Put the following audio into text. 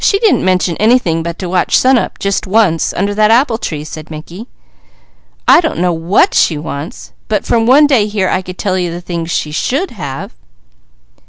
"She didn't mention anything but to watch sunup, just once, under that apple tree," said Mickey. "I don't know what she wants; but from one day here, I could tell you things she should have."